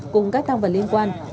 cùng các tăng vật liên quan